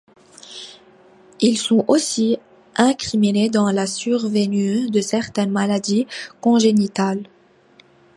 Ils sont aussi incriminés dans la survenue de certaines maladies congénitales.